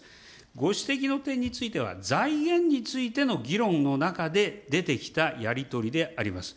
ご指摘の点については、財源についての議論の中で出てきたやり取りであります。